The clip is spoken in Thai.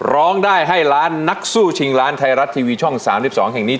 ร้องได้ให้ล้านนักสู้ชิงล้านไทยรัฐทีวีช่อง๓๒แห่งนี้